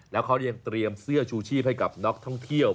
แล้วเขายังเตรียมเสื้อชูชีพให้กับนักท่องเที่ยว